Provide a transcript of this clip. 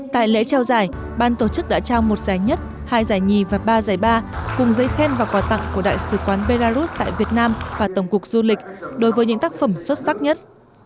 tại lễ trao giải ban tổ chức đã trao một giải nhất hai giải nhì và ba giải ba cùng giấy khen và quà tặng của đại sứ quán belarus tại việt nam và tổng cục du lịch đối với những tác phẩm xuất sắc nhất